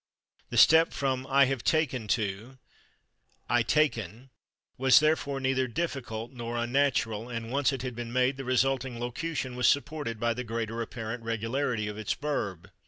The step from "I /have taken/" to "/I taken/" was therefore neither difficult nor unnatural, and once it had been made the resulting locution was supported by the greater [Pg205] apparent regularity of its verb.